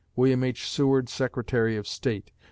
WILLIAM H. SEWARD, Secretary of State.